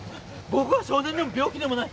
僕は少年でも病気でもない。